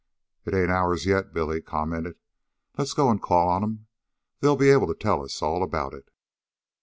"It ain't ours yet," Billy commented. "Let's go and call on 'em. They'll be able to tell us all about it."